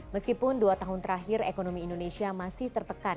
meskipun dua tahun terakhir ekonomi indonesia masih tertekan